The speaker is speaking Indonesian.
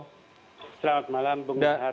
selamat malam bung jahat